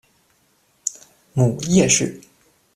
母叶氏。